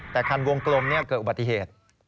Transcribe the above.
แต่คันวงกลมเกิดอุบัติเหตุ